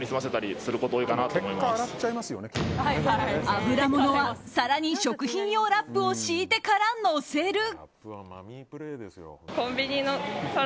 油ものは皿に食品用ラップを敷いてからのせる。